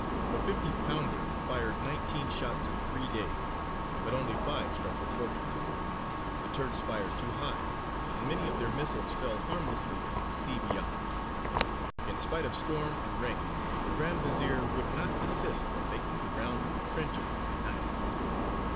A fifty pounder fired nineteen shots in three days, but only five struck the fortress: the Turks fired too high, and many of their missiles fell harmlessly into the sea beyond. In spite of storm and rain the Grand Vezīr would not desist from making the round of the trenches by night.